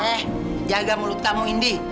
eh jaga mulut kamu indi